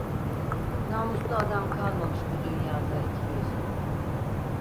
Namuslu adam kalmamış bu dünyada iki gözüm.